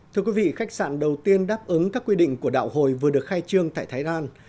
thưa quý vị khách sạn đầu tiên đáp ứng các quy định của đạo hồi vừa được khai trương tại thái lan